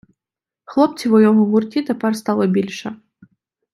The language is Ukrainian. Хлопців у його гурті тепер стало більше.